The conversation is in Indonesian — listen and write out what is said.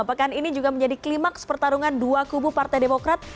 pekan ini juga menjadi klimaks pertarungan dua kubu partai demokrat